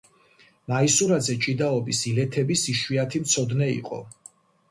მაისურაძე ჭიდაობის ილეთების იშვიათი მცოდნე იყო.